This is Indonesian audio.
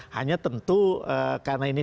hanya tentu karena ini